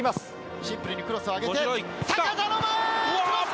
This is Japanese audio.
シンプルにクロスを上げて。